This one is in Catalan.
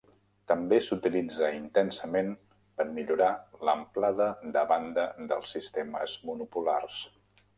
També s'utilitza intensament per millorar l'amplada de banda dels sistemes monopolars.